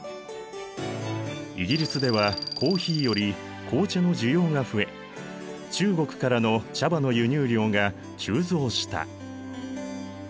イギリスではコーヒーより紅茶の需要が増え中国からの茶葉の輸入量が急増した。